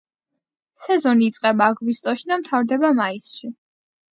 სეზონი იწყება აგვისტოში და მთავრდება მაისში.